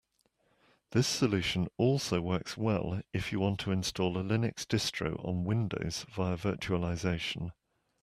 This solution also works well if you want to install a Linux distro on Windows via virtualization.